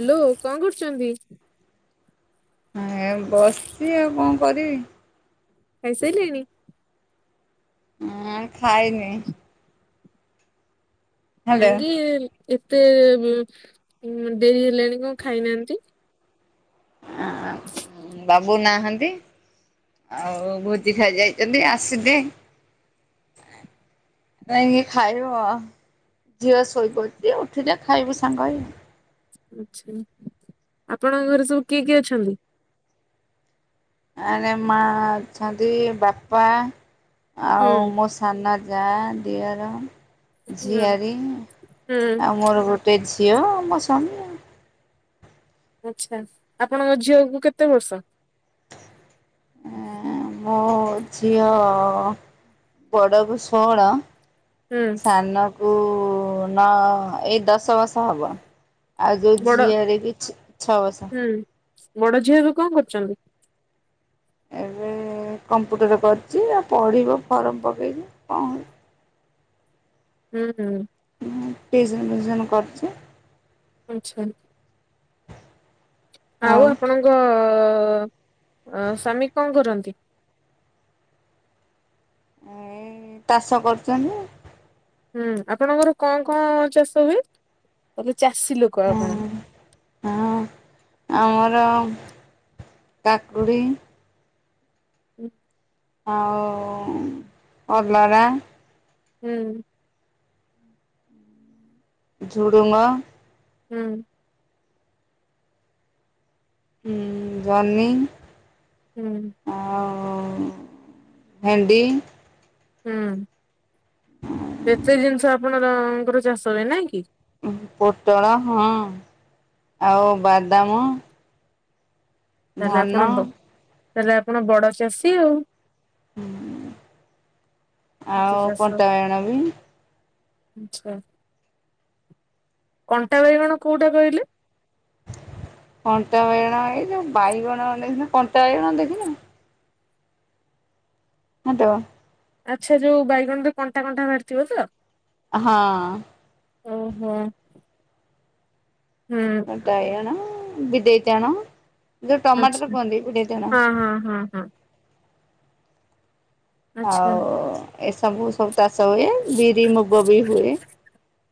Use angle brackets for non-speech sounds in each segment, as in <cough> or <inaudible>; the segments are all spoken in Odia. ହାଲୋ କଣ କରୁଛନ୍ତି? ଆଁ ଏ ବସିଛି ଆଉ କଣ କରିବି? ଖାଇସାଇଲେଣି? ଆଁ ଖାଇନି। ହ୍ୟାଲୋ ହେଙ୍ଗି ଏତେ ଉମ୍ ଉଁ ଡେରି ହେଲାଣି କଣ ଖାଇନାହାଁନ୍ତି? ଆଁ ବାବୁ ନାହାନ୍ ନ୍ତି, ଆଉ ଭୋଜି ଖାଇ ଯାଇଛନ୍ତି ଆସିବେ ଯାଇଁକି ଖାଇବୁ ଅ। ଝିଅ ଶୋଇପଡିଛି, ଉଠିଲେ ଖାଇବୁ ସାଙ୍ଗ ହେଇ ଆଉ। ଆଚ୍ଛା। ଆପଣଙ୍କ ଘରେ ସବୁ କିଏ କିଏ ଅଛନ୍ତି? ଆରେ ମା ଅଛନ୍ତି, ବାପା, ହୁଁ ଆଉ ମୋ ସାନ ଯାଆ, ଦିଅର, ହୁଁ ଝିଆରୀ, ହୁଁ ଆଉ ମୋର ଗୋଟେ ଝି ଅ, ମୋ ସ୍ଵାମୀ ଆଉ। ଆଚ୍ଛା। ଆପଣଙ୍କ ଝିଅକୁ କେତେ ବର୍ଷ? ହଁ, ଝିଅ ବଡକୁ ଷୋହଳ ହୁଁ ସାନକୁ ନଅ ଏଇ ଦଶ ବର୍ଷ ହବ। ଆଗେ ବଡ ଝିଆରି କି ଛ ଛଅ ବର୍ଷ। ହୁଁ ବଡ ଝିଅ ଏବେ କଣ କରୁଚନ୍ତି? ଏବେ ଏ କମ୍ପ୍ୟୁଟର କରିଚି, ଆଉ ପଢ଼ିବ ଫର୍ମ ପକେଇଚି, କଣ ହଉ ହୁଁ ହୁଁ। ଟିଉସନ ଫିଉସନ କରୁଚି ଆଚ୍ଛା। ଆଉ ଆପଣଙ୍କ ଅ ଙ୍କ ସ୍ଵାମୀ କଣ କରନ୍ତି? ଉଁ ଏଇ ତାଷ କରୁଚନ୍ତି। ହୁଁ। ଆପଣଙ୍କର କଁ କଁ ଚାଷ ହୁଏ? <unintelligible> ଚାଷୀ ଲୋକ ଆପଣ। ହଁ ହଁ ଆମର କାକୁଡ଼ି ହୁଁ। ଆଉ ଉ କଲରା ହୁଁ। ଝୁଡୁଙ୍ଗ ହୁଁ। ହୁଁ ଜହ୍ନି ହୁଁ। ହଁ-ଅ ଭେଣ୍ଡି ହୁଁ। ଏତେ ଜିନିଷ ଆପଣରଙ୍କର ଚାଷ ହୁଏ ନାଇଁ କି? ଉଁ ପୋଟଳ ହଁ, ଆଉ ବାଦାମ ଧାନ ତାଏଲେ ଆପଣ ବଡ ଚାଷୀ ଆଉ। ଆଉ କଣ୍ଟା ବାଇଗଣ ବି ଆଚ୍ଛା। କଣ୍ଟା ବାଇଗଣ କୋଉଟା କହିଲେ? କଣ୍ଟା ବାଇଗଣ ଏଇ ଯୋଉ ବାଇଗଣ ଦେଖିନ, କଣ୍ଟା ବାଇଗଣ ଦେଖିନ? ହଁ ତ। ଆଚ୍ଛା। ଯୋଉ ବାଇଗଣରେ କଣ୍ଟା କଣ୍ଟା ବାହାରିଥିବ ତ? ହଁ। ଓହୋ। ହୁଁ କଣ୍ଟା ବାଇଗଣ, ବିଦେଇ ଟାଣ ଯୋଉ ଟମାଟର ଆଚ୍ଛା କୁହନ୍ତି, ବିଦେଇ ଟାଣ ହଁ ହଁ ହଁ ହଁ ଆଚ୍ଛା ଆଉ ଏସବୁ ସବୁ ଚାଷ ହୁଏ, ବିରି, ମୁଗ ବି ହୁଏ।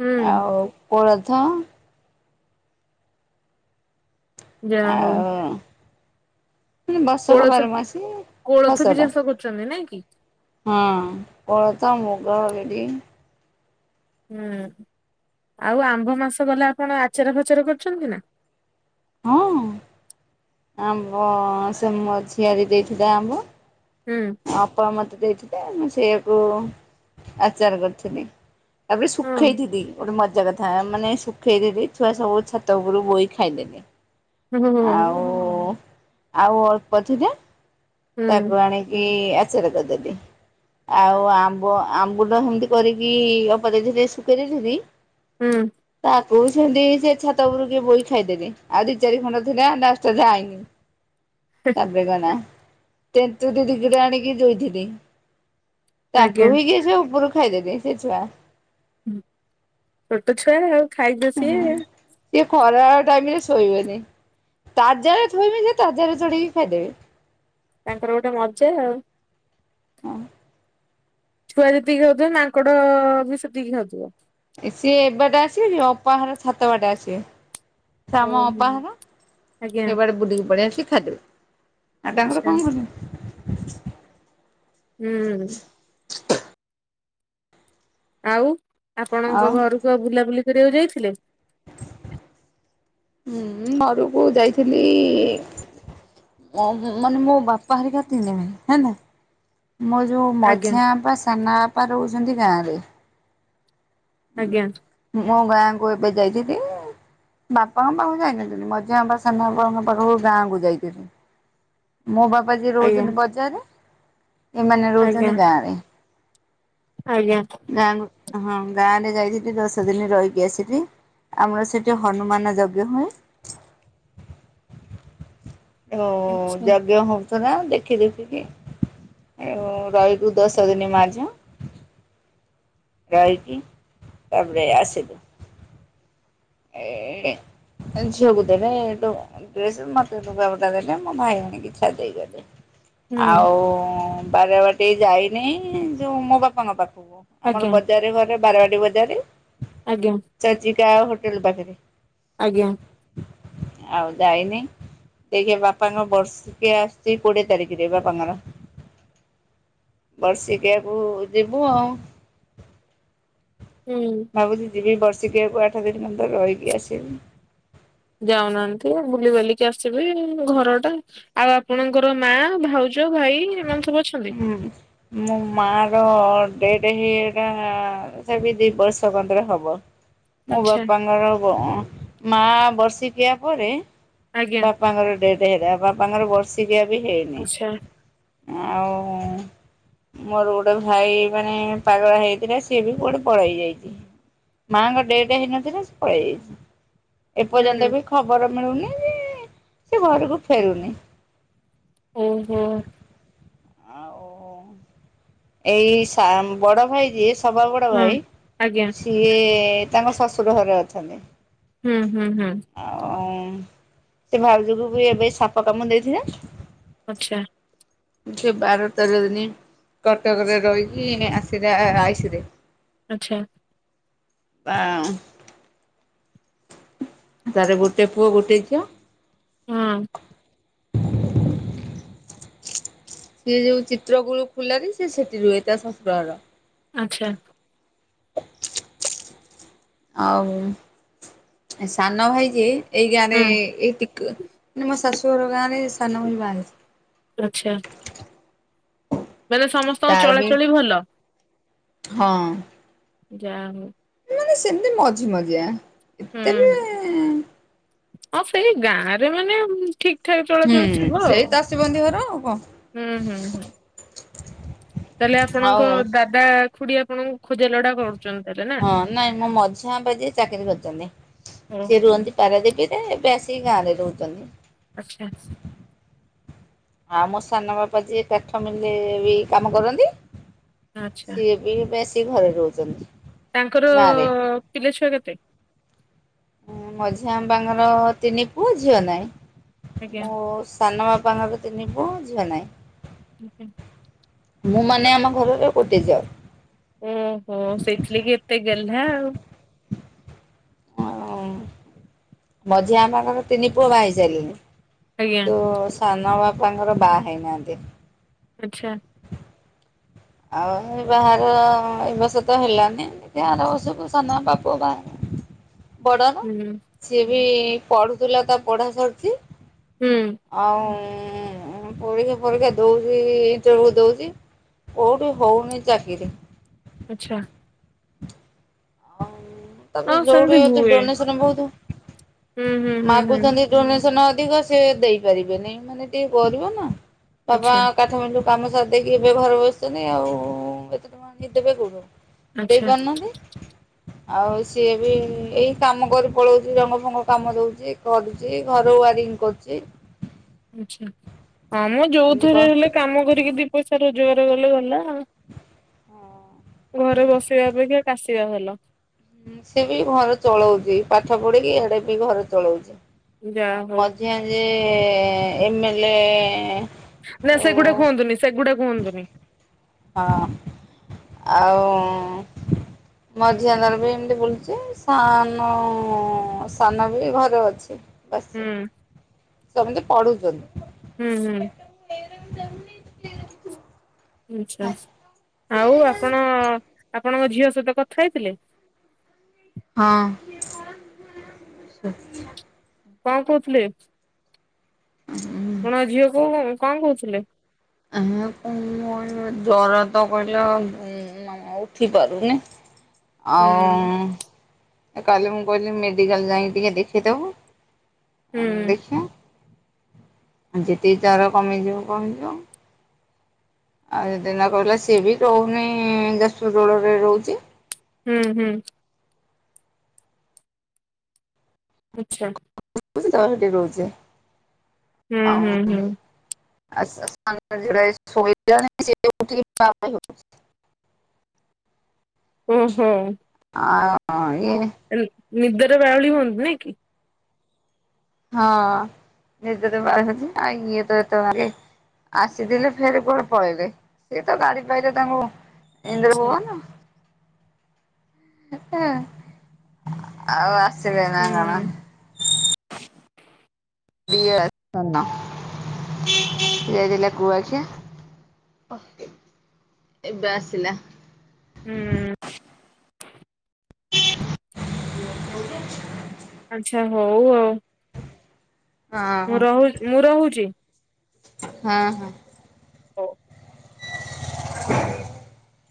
ହୁଁ ଆଉ କୋଳଥ ଯାହା ହଉ ଆଉ କି ବର୍ଷକ କୋଳଥ ବାରମାସୀ କୋଳଥ ବି ଫସଲ, ଚାଷ କରୁଛନ୍ତି ନାଇଁ କି? ହଁ କୋଳ ତ ମୁଗ, ବିରି ହୁଁ ଆଉ ଆମ୍ବ ମାସ ଗଲା ଆପଣ ଆଚାର ଫାଚାର କରିଛନ୍ତି ନା? ହଁ । ଆମ୍ବ ସେ ମୋ ଝିଆରି ଦେଇଥିଲା ଆମ୍ବ, ହୁଁ ଅପା ମତେ ଦେଇଥିଲେ । ତା ମୁଁ ସେଇଆକୁ ଆଚାର କରିଥିଲି ତାପରେ ହଁ ଶୁଖେଇ ଥିଲି ଗୋଟେ ମ ମଜା କଥା ମାନେ ଶୁଖେଇ ଦେଥିଲି ଛୁଆ ସବୁ ଛାତ ଉପରୁ ବୋଇ ଖାଇଦେଲେ । ହୁଁ <unintelligible> ଆଉ ଅଳ୍ପ ଅଛି ଯେ ତାକୁ ଆଣିକି ଆଚାର କରିଦେଲି। ଆଉ ଆମ୍ବ ଆମ୍ବୁଲ ସେମିତି କରିକି ଅପା ଦେଇଥିଲେ ଶୁଖେଇ ଦେଇଥିଲି । ହୁଁ । ବୋଇଛନ୍ତି ସେ ଛାତ ଉପରୁ କିଏ ବୋଇ ଖାଇଦେଲେ। ଆଉ ଦି ଚାରି ଖଣ୍ଡ ଥିଲା ଲାଷ୍ଟ ଯା ଆଇନି । <inaudible> ତାପରେ ଗନା ତେନ୍ତୁଦିକଟେ ଆନିକି ଦୋଇଥିଲି । ଆଜ୍ଞା। ତାକୁ ବି କିଏ ସେ ଉପରୁ ଖାଇଦେବେ ସେ ଛୁଆ। ହୁଁ ଛୋଟ ଛୁଆ ଆଉ ଖାଇବେ ସିଏ। ଇଏ ଖରାଅଳ ଟାଇମ୍ ରେ ଶୋଇବେନି। ତାଜାରେ ଥୋଇବେ ଯେ ତାଜାରେ ଚଢ଼ୀକି ଖାଇଦେବେ। ତାଙ୍କର ଗୋଟେ ମଜା ଆଉ । ଆଁ । ଛୁଆ ଯେତିକି ଖାଉଥିବେ, ମାଙ୍କଡ ବି ସେତିକି ଖାଉଥିବ । ସିଏ ଏବାଟେ ଆସିବେ କି ଅପା ହର ଛାତ ବାଟେ ଆସିବେ । ଶାମ ଓହୋ ଅପାହର ଆଜ୍ଞା ସେ ବାଡେ ବୁଲିକି ପଳେଇଆସିକି ଖାଇଦେବେ। ଆଉ ତାଙ୍କର ଆଚ୍ଛା କଣ କରୁଛନ୍ତି? ହୁଁ । ଆଉ ଆପଣଙ୍କ ଆଉ ଘରକୁ ଆଉ ବୁଲାବୁଲି କରିବାକୁ ଯାଇଥିଲେ? ହୁଁ ଘରକୁ ଯାଇଥିଲି। ଉଁ ହୁଁ ମାନେ ମୋ ବାପା ହେରିକା ତିନି ଭାଇ ହେନା। ମୋ ଯେଉଁ ଆଜ୍ଞା ମଝିଆ ଆମ୍ପା ସାନା ବାପା ରହୁଛନ୍ତି ଗାଁରେ। ଆଜ୍ଞା ମୁ ଗାଁ କୁ ଏବେ ଯାଇଥିଲି। ବାପାଙ୍କ ପାଖକୁ ଯାଇନଥିଲି। ମଝିଆ ବା ସାନ ବାପାଙ୍କ ପାଖକୁ ଗାଁ କ ଯାଇଥିଲି। ମୋ ବାପା ଯିଏ ଆଜ୍ଞା ରହୁଛନ୍ତି ବଜାରେ। ଏମାନେ ଆଜ୍ଞା ରହୁଛନ୍ତି ଗାଁ ରେ। ଆଜ୍ଞା। ଗାଁ ରେ ଯାଇଥିଲି ଦଶ ଦିନ ରହିକି ଆସଲି। ଆମର ସେଠି ହନୁମାନ ଯଜ୍ଞ ହୁଏ। <inaudible> ଓ ଆଚ୍ଛା ଯଂଜ୍ଞ ହ <unintelligible> ଦେଖି ଦେଖିକି ଆଉ ରହିଲୁ ଦଶ ଦିନ ମା ଝିଅ। ରହିକି ତାପରେ ଆସିଲୁ। ଏ ଝିଅକୁ ଦେଲେ ଦ ଡ୍ରେସ, ମତେ ଲୁଗାପଟା ଦେଲେ। ମୋ ଭାଇ ଭଉଣୀ କି ଛାଡି <unintelligible> ହୁଁ ଆଉ ବାରବାଟି ଯାଇନି ଯୋଉ ମୋ ବାପାଙ୍କ ପାଖ ହ ଆମର ଆଜ୍ଞା ବଜାର ଘରେ ବାରବାଟୀ ବଜାରେ। ଆଜ୍ଞା। କା ହୋଟେଲ ପାଖରେ। ଆଜ୍ଞା। ଆଉ ଯାଇନି ଦେଖେ ବାପାଙ୍କ ବର୍ଷିକିଆ ଆସୁଛି କୋଡିଏ ତାରିଖରେ ବାପାଙ୍କର ବର୍ଷିକିଆକୁ ଯିବୁ ଆଉ। ହୁଁ ଭାବୁଛି ଯିବି ବର୍ଷିକିିବାକୁ ଆଠ ଦିନ ମନ୍ତ ରହିକି ଆସିବି। ଯାଉନାହାନ୍ତି ବୁଲି ବଲିକି ଆସିବି ଘର ଟା ଆଉ ଆପଣଙ୍କର ମା ଭାଉଜ। ଭାଇ ଏମାନେ ସବୁ ଅଛନ୍ତି? ହୁଁ ମୁଁ ମାଆ ର ଡେଟ ହେଇ ହେଇ କା ସେ ଦି ବର୍ଷ ପନ୍ତରେ ହବ। ମୋ ଆଚ୍ଛା ବାପାଙ୍କର ମା ବର୍ଷିକିଆ ପରେ ଆଜ୍ଞା ବାପାଙ୍କର ଡେଟ ହେଲା ବାପାଙ୍କର ବର୍ଷିକିଆ ବି ହେଇନି। ଆଚ୍ଛା ଆଉ ମୋର ଗୋଟେ ଭାଇ ମାନେ ପାଗଳ ହେଇଥିଲା ସିଏ ବି କୁଆଡେ ପଳେଇ ଯାଇଛି। ମାଆଙ୍କ ଡେଟ ହେନ ଦିନ ସେ ପଳେଇ ଯାଇଛି। ହୁଁ ଏପର୍ଯ୍ୟନ୍ତ ବି ଖବର ମିଳୁନି ଯେ ସେ ଘରକୁ ଫେରୁନି। ଓହୋ। ଆଉ ଏଇ ସାମ୍ ବଡ ଭାଇ ଯିଏ? ସଭା ବଡ ହଁ ଭାଇ ଆଜ୍ଞା ସିଏ ତାଙ୍କ ଶ୍ୱଶୁର ଘରେ ଅଛନ୍ତି। ହୁଁ ହୁଁ ହୁଁ। ଉଁ ସେ ଭାଉଜ କୁ ବି ଏବେ ସାପ କାମ ଦେଇଛି ଜାଣିଚୁ। ଆଚ୍ଛା। ବାର ତେର ଦିନ କଟକରେ ରହିକି ଆସିଲା ଆଇସରେ। ଆଚ୍ଛା। ବାଁ ତାର ଗୋଟେ ପୁଅ ଗୋଟେ ଝିଅ। ହୁଁ। ସିଏ ଯୋଉ ଚିତ୍ର ଗୁଳୁ ଖୁଲାରୀ ସେ ସେଠି ରୁହେ ତା ଶଶୁର ଘର। ଆଚ୍ଛା। ଆଉ ସାନ ଭାଇ ଯିଏ ଏଇ ଗାଁ ରେ ହୁଁ ଏଇ ତିକ୍ ମାନେ ମୋ ଶାଶୁ ଘର ଗାଁରେ ରେ ସାନ ଭାଇ ଆଚ୍ଛା ବାହାହେଇଛି। ମାନେ ସମସ୍ତଙ୍କ ଚଳାଚଳି ଭଲ। ହଁ। ଯାଆ ହୋଉ। ମାନେ ସେମିତି ମଝି ମଝିଆ ହୁଁ ଏତେ ବି ହୁଁ ହଁ ସେଇ ଗାଁ ରେ ମାନେ ଠିକ୍। ଏଠାରେ ହୁଁ ଚଳାଚଳି ଥିବ ଆଉ ସେଇ ଚାଷୀ ବନ୍ଧି ଘର ଆଉ କଣ। ହୁଁ ହୁଁ ହୁଁ। ତାହେଲେ ଆଉ ଆପଣଙ୍କ ଦାଦା ଖୁଡି ଆପଣଙ୍କୁ ଖୋଜାଲୋଡା କରୁ ହଁ ନାଇଁ ମୋ ମଝିଆ ବାପା ଯିଏ ଚାକିରି କରିଚନ୍ତି ସେ ଓହୋ ରୁହନ୍ତି ପାରାଦୀପି। ଏ ବେଶୀ ଗାଁରେ ରହୁଚନ୍ତି। ଆଚ୍ଛା। ଆଉ ମୋ ସାନ ବାପା ଯିଏ କାଠ ମିଲି ବି କାମ କରନ୍ତି। ଆଚ୍ଛା ସିଏ ବି ବେଶୀ ଘରେ ରହୁଚନ୍ତି। ତାଙ୍କର ପିଲା ଛୁଆ କେତେ? ମଝିଆ ବାପା ଙ୍କର ତିନି ପୁଅ ଝିଅ ନାହିଁ ଆଜ୍ଞା ମଓଉସ। ସାନ ବାପାଙ୍କର ତିନି ପୁଅ ଝିିଅ ଆଜ୍ଞା ନାହିଁ ମୁଁ ତ ମାନେ ଆମ ଘରର ଗୋଟେ ଝିଅ। ଓହୋ ସେଥିଲାଗି ଏତେ ଗେହ୍ଲା ଆଉ। ଓ ମଝିଆ ବାପାଙ୍କର ତିନିପୁଅ ବାହା ହେଇ ସାଇଲେଣିି। ଆଜ୍ଞା ତୁ ସାନ ବାପାଙ୍କର ବାହା ହେଇନାହାନ୍ତି। ଆଚ୍ଛା। ଆଉ ବାହାର ଏ ବସ ତ ହେଲାନି ଦେଖିଆ ଆର ବଷ ସାନବାପା ପୁଅ ବାହାହବ ବଡର ହୁଁ ସିଏ ବି ପଢୁଥିଲା ତା ପଢା ସରିଛି। ହୁଁ ଆଉଁ-ଉଁ ହଁ, ପରୀକ୍ଷା ପରୀକ୍ଷା ଦଉଛି-ଇ ଇଣ୍ଟରଭୁ ଦଉଚି। କଉଠି ହଉନି ଚାକିରି। ଆଚ୍ଛା ଆଉ ତା'ପରେ ହଁ ଯୋଉଠି ସେମିତି ହଉଚି ହୁଏ ଡୋନେସନ ବହୁତୁ। ହୁଁ ହୁଁ ହୁଁ ହୁଁ ମାଗୁସନ୍ତି ଡୋନେସନ ଅଧିକ ସେ ଦେଇପାରିବେନି। ମାନେ ଟିକେ ଗରିବ ନା! ବାପା ଆଚ୍ଛା କାଠ ମିଣ୍ଡୀ କାମ ସାରି ଦେଇକି ଏବେ ଘରେ ବସିଛନି ଆଉ-ଉ-ଉ। ଏତେ ତ ଆଣିଦେବେ କୋଉଠୁ? ଦେଇ ଆଚ୍ଛା ପାରୁନାହାଁନ୍ତି। ଆଉ ସିଏ ବି ଏଇ କାମ କରି ପଳଉଛି। ରଙ୍ଗ ଫଙ୍ଗ କାମ ଦଉଛି, କରୁଛି ଘର ୱାରିଂ କରୁଚି । ଆଛା, ହଁ ମ ଯୋଉଥିରେ କରୁଛି ହେଲେ କାମ କରିକି ଦି ପଇସା ରୋଜଗାର ଗଲେ ଗଲା। ହଁ। ହଁ ଘରେ ବସିବା ଅପେକ୍ଷା କାଶିବା ଭଲ। ହୁଁ, ସେ ବି ଘର ଚଳଉଚି। ପାଠ ପଢିକି ଆଡେ ବି ଘର ଚଳଉଚି। ଯାହା ଆଉ ହଉ ମଝିଁଆ ଯିଏ-ଏ -ଏ ଏମ୍ ଏଲ୍ ଏଁ -ଏଁ ନା, ସେଗୁଡା କୁହନ୍ତୁନି। ସେଗୁଡା କୁହନ୍ତୁନି। ହଁ ଆଉଁ ମଝିଁଆ ଟାବି ଏମିତି ବୁଲୁଛି। ସାନ-ଅ ସାନ ବି ଘରେ ଅଛି। ହୁଁ ବସଚି, ସେମିତି ପଢୁଚନ୍ତି। ହୁଁ ହୁଁ। <inaudible> ଆଛା, ଆଉ ଆପଣ ଆପଣଙ୍କ ଝିଅ ସହିତ କଥା ହେଇଥିଲେ? ହଁ। କଣ କହୁଥିଲେ? ଆପଣଙ୍କ ଝିଅ କଉ କଣ କହୁଥିଲେ? ଏହେଁ କୋଁକଁଇଲା ଜର ତ କହିଲାଉ ଉଁଉ। ଅଁ ଉଠି ପାରୁନି। ହୁଁ ଆଉଁ, କାଲି ମୁଁ କହିଲି ମେଡିକାଲ୍ ଯାଇଁକି ଟିକେ ଦେଖେଇଦବୁ। ହୁଁ ଦେଖିଆଁ । ଯେତିକି ଜର କମିଯିବ କମିଯିବ। ଆଉ ଦିନ କହିଲା, ସିଏ ବି ରହୁନି। ଯାଜପୁର ରୋଡରେ ରହୁଚି। ହୁଁ, ହୁଁ। ଆଛା। ବୁଜି ଚହଟି କଉଛି। ହୁଁ ହୁଁ ହୁଁ। ଆ ସେ ସାନ ଝିଅ ତା ଶୋଇଲାଣି। ସେ ଉଠିକି ବାଉଳେଇ ହଉଚି। ଓହୋ! ଅଁ ଇଏ। ନିଦରେ ବାଉଳି ହୁଅନ୍ତି, ନାଇଁ କି? ହଁ, ନିଦରେ ବାଉଳି ହଛି। ଆ ଇଏତଳ ଯାଙ୍କେ ଆସିଥିଲେ ଫେର୍ କୁଆଡେ ପଳେଇଲେ। ସିଏ ତ ଗାଡି ପାଇଲେ ତାଙ୍କୁ ଆଚ୍ଛା ଇନ୍ଦ୍ରଭବନ! ଆଉ ଆସ ଆସିଲେ ନା କଣ? ହୁଁ ଇଏ <inaudible> ସେ ଯାଇଥିଲା କୁଆଖିଆ। ଏବେ ଆସିଲା। ହୁଁ। <inaudible> ଆଛା, ହଉ ଆଉ। ହଁ ମୁଁ, ରହୁ ମୁଁ, ରହୁଛି। ହଁ, ହଁ। ହଉ। <unintelligible>